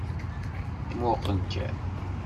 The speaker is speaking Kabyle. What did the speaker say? Muqel kan.